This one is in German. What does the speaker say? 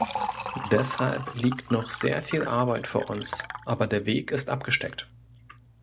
Deshalb liegt noch sehr viel Arbeit vor uns, aber der Weg ist abgesteckt.